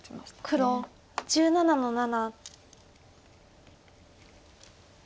黒１７の七。